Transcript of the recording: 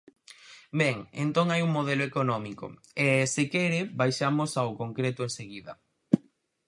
Ben, entón hai un modelo económico, e, se quere, baixamos ao concreto enseguida.